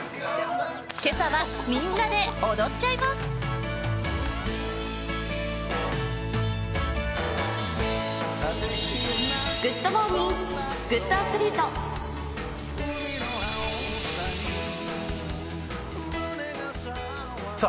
今朝はみんなで踊っちゃいますさあ